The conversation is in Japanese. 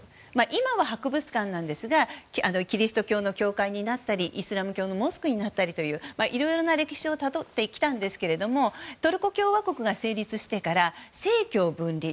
今は博物館なんですがキリスト教の教会になったりイスラム教のモスクになったりいろいろな歴史をたどってきたんですけどトルコ共和国が成立してから政教分離。